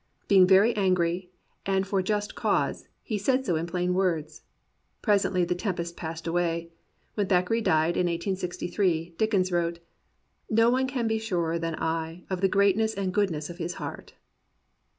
Being very angry, and for a just cause, he said so in plain words. Presently the tempest passed away. When Thackeray died in 1863, Dick ens wrote : "No one can be surer than I of the greatness and goodness of his heart."